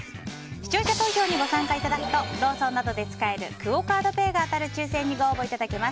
視聴者投票にご参加いただくとローソンなどで使えるクオ・カードペイが当たる抽選にご応募いただけます。